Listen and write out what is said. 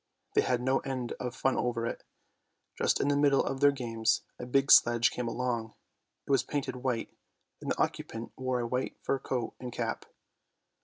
They had no end of fun over it. Just in the middle of their games, a big sledge came along; it was painted white, and the occupant wore a white fur coat and cap.